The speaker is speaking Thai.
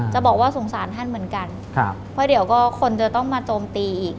จะบอกว่าสงสารท่านเหมือนกันเพราะเดี๋ยวก็คนจะต้องมาโจมตีอีก